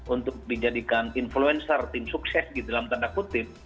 untuk dijadikan influencer tim sukses di dalam tanda kutip